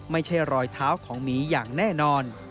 ไม่ใช่รอยเท้าของหมีอย่างแน่นอน